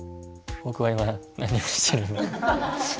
僕は今何をしてるのか。